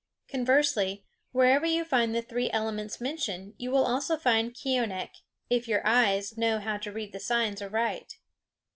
Conversely, wherever you find the three elements mentioned you will also find Keeonekh, if your eyes know how to read the signs aright.